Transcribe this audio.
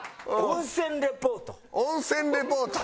温泉リポート？